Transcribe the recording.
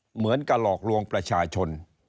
เหมือนกับหลอกลวงประชาชน